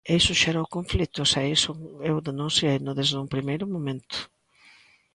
E iso xerou conflitos e iso eu denuncieino desde un primeiro momento.